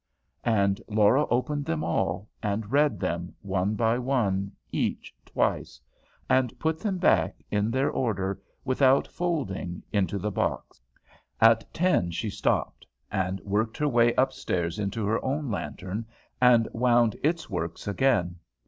And Laura opened them all, and read them one by one, each twice, and put them back, in their order, without folding, into the box. At ten she stopped, and worked her way upstairs into her own lantern, and wound its works again.